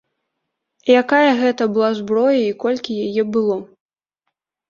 Якая гэта была зброя, і колькі яе было?